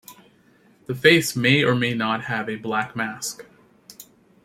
The face may or may not have a black mask.